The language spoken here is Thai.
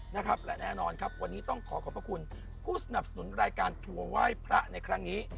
นะครับและแน่นอนครับวันนี้ต้องขอขอบพระคุณผู้สนับสนุนรายการทัวร์ไหว้พระในครั้งนี้